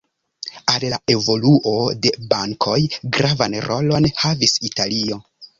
Al la evoluo de bankoj gravan rolon havis Italio.